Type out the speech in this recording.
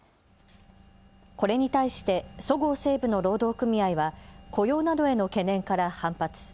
これに対してそごう・西武の労働組合は雇用などへの懸念から反発。